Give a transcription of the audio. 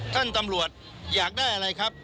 ตำรวจอยากได้อะไรครับ